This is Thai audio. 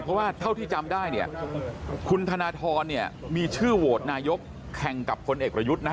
เพราะว่าเท่าที่จำได้เนี่ยคุณธนทรเนี่ยมีชื่อโหวตนายกแข่งกับคนเอกประยุทธ์นะ